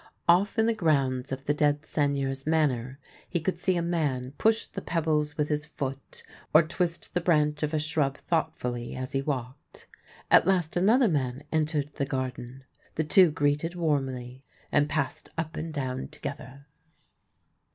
Ofif in the grounds of the dead Seigneur's manor he could see a man push the pebbles with his foot, or twist the branch' of a shrub thoughtfully as he walked. At last another man entered the garden. The two greeted warmly, and passed up and down together.